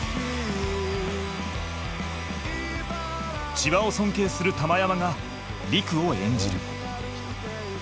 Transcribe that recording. ちばを尊敬する玉山が陸を演じる。